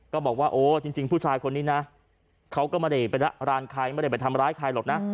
ก็บอกว่าโอ้จริงผู้ชายคนนี้นะเขาก็ไม่ได้ไปละร้านใครไม่ได้ไปทำร้ายใครหรอกนะ